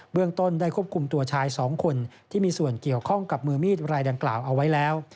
เรื่องต้นได้ควบคุมตัวชาย๒คนที่มีส่วนเกี่ยวข้องกับมือมีดรายดังกล่าวเอาไว้แล้ว